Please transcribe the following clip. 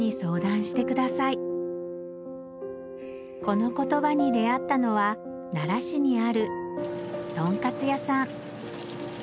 このコトバに出合ったのは奈良市にあるとんかつ屋さん